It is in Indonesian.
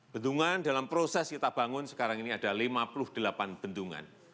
bendungan dalam proses kita bangun sekarang ini ada lima puluh delapan bendungan